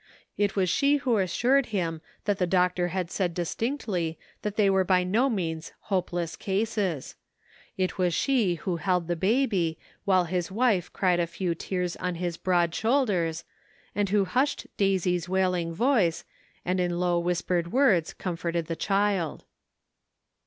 It was she who assured him that the doctor had said distinctly that they were by no means hopeless cases; it was she who held the baby while his wife cried a few tears on his broad shoulders, and who hushed Daisy's wailing voice, and in low whispered words comforted the child.